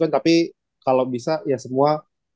tapi kalau bisa ya semua